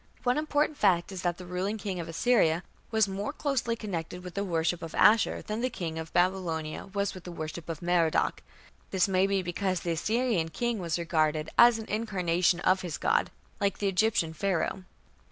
One important fact is that the ruling king of Assyria was more closely connected with the worship of Ashur than the king of Babylonia was with the worship of Merodach. This may be because the Assyrian king was regarded as an incarnation of his god, like the Egyptian Pharaoh.